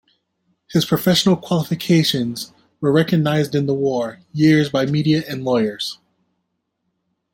His professional qualifications were recognized in the War years by Media and lawyers.